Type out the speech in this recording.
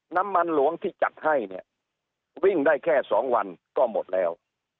น้ำมันหลวงที่จัดให้เนี่ยวิ่งได้แค่๒วันก็หมดแล้ว